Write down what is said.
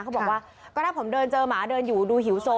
เขาบอกว่าก็ถ้าผมเดินเจอหมาเดินอยู่ดูหิวโซ